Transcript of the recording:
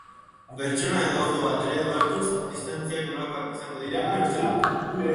Pertsona edo auto bat eredu hartuz, distantziak nolakoak izango diren neurtzen dut.